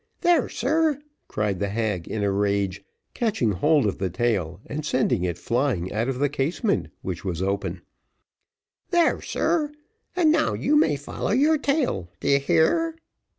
There, sir," cried the hag in a rage, catching hold of the tail, and sending it flying out of the casement, which was open "there, sir and now you may follow your tail. D'ye hear?